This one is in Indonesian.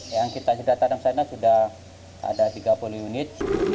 yang kita sudah tanam sana sudah ada tiga puluh unit